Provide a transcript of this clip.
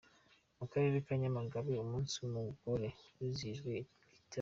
Mu karere ka Nyamagabe umunsi w’umugore wizihirijwe Kitabi.